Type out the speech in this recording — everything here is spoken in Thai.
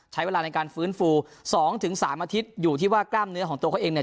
ใช้เวลาในการฟื้นฟู๒๓อาทิตย์อยู่ที่ว่ากล้ามเนื้อของตัวเขาเองเนี่ย